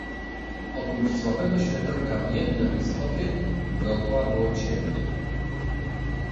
"Prócz słabego światełka w jednem z okien dokoła było ciemno."